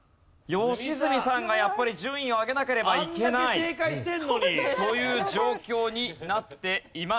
良純さんがやっぱり順位を上げなければいけないという状況になっています。